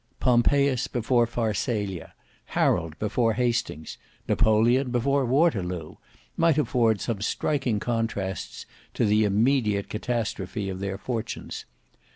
Pompeius before Pharsalia, Harold before Hastings, Napoleon before Waterloo, might afford some striking contrasts to the immediate catastrophe of their fortunes.